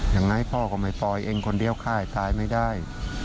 ยังไงพ่อก็ไม่ปล่อยเองคนเดียวค่ายตายไม่ได้